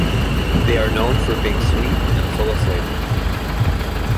They are known for being sweet and full of flavour.